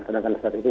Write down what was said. sedangkan saat itu